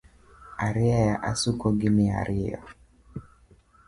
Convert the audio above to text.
Arieya asuko gi mia ariyo